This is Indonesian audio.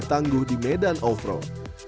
bertangguh di medan overall